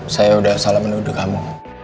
saya udah salah menuduh kamu